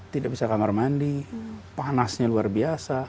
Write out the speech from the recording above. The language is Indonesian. tidak bisa kamar mandi panasnya luar biasa